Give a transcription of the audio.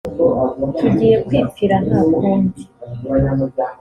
Tugiye kwipfira ntakundi”